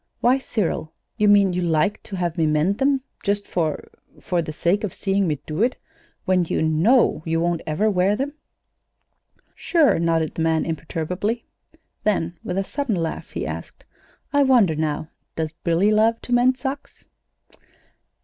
"Why, Cyril, you mean you like to have me mend them just for for the sake of seeing me do it, when you know you won't ever wear them?" "Sure!" nodded the man, imperturbably. Then, with a sudden laugh, he asked: "I wonder now, does Billy love to mend socks?"